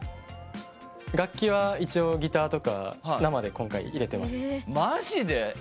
楽器は一応ギターとか生で今回、入れてます。